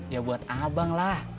ya buat abang lah